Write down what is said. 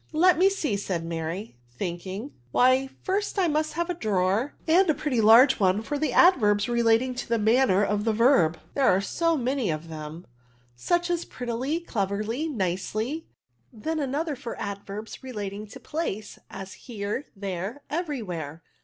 " Let me see," said Mary, thinking; why, first, I must have a drawer, and a pretty large one, for the adverbs relating to the manner of the verb, there axe so many of them; such as prettily^ cleverly, nicely • Then another for adverbs relating to place / as here, there, every where.